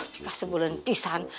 pika sebelen pisan